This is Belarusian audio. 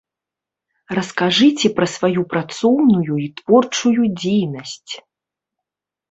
Раскажыце пра сваю працоўную і творчую дзейнасць.